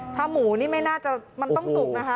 ถ้าหมูนี่ไม่น่าจะมันต้องสุกนะคะ